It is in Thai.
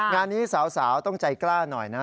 งานนี้สาวต้องใจกล้าหน่อยนะ